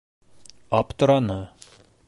Аптыраны.